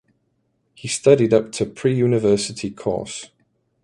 He studied up to Pre University Course.